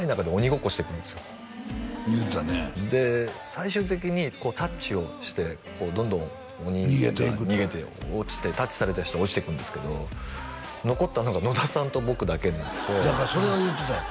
最終的にこうタッチをしてこうどんどん鬼が逃げて落ちてタッチされた人落ちていくんですけど残ったのが野田さんと僕だけになってだからそれを言うてたよ